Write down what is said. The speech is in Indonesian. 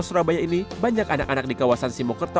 surabaya ini banyak anak anak di kawasan simokerto